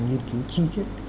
nhiên cứu chi tiết